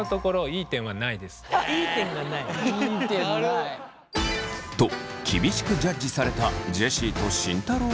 いい点がない。と厳しくジャッジされたジェシーと慎太郎ですが。